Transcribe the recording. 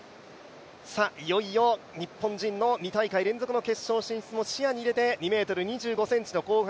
いよいよ日本人の２大会連続決勝進出も視野に入れて、２ｍ２５ｃｍの後半